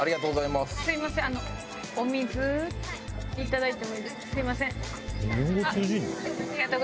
すいません。なぁ？